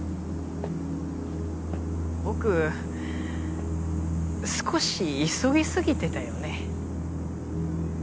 僕少し急ぎ過ぎてたよね？